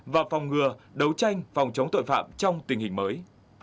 và phòng ngừa đấu tranh phòng chống tội phạm trong tình hình mới